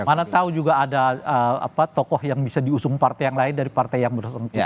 mana tahu juga ada tokoh yang bisa diusung partai yang lain dari partai yang bersentuhan